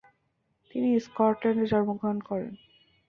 তিনি স্কটল্যান্ডে জন্মগ্রহণ করেন।